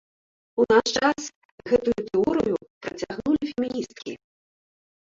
У наш час гэтую тэорыю працягнулі феміністкі.